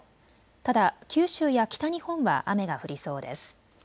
ただ九州や北日本は雨が降りそうです。